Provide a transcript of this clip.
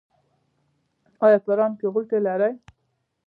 ایا په ران کې غوټې لرئ؟